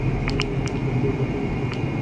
তুমি তাদের কি বানর বানিয়েই ছেড়ে দিলে!